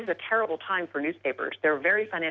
แผนศัตรูถูกสร้างใช้อยู่กับอากาศและยิ้มกัน